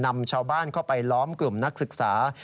นำชาวบ้านเข้าไปล้อมกลุ่มนักศึกษา